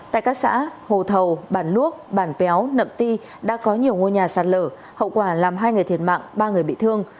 tại các xã hồ thầu bản luốc bản péo nậm ti đã có nhiều ngôi nhà sạt lở hậu quả làm hai người thiệt mạng ba người bị thương